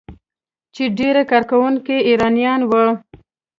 چې ډیری کارکونکي یې ایرانیان وو.